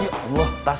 ya allah tas